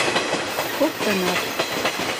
коктынат.